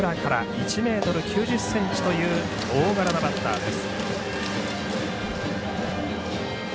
１ｍ９０ｃｍという大柄なバッターです。